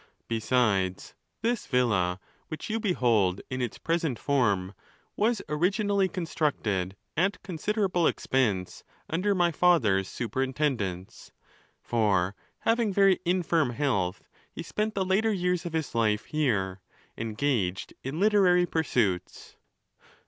Besides, this villa which you behold in its present form, was originally constructed, at considerable expense, under my father's superintendence; for having very infirm health, he spent the later years of his life here, engaged in literary pursuits.